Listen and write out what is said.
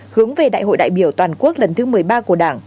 hướng về đại hội đại biểu toàn quốc lần thứ một mươi ba của đảng